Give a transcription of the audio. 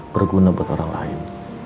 berguna buat orang lain